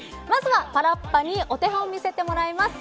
まずはパラッパにお手本を見せてもらいます。